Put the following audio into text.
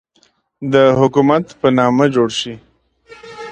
د حکومت په نامه جوړ شي.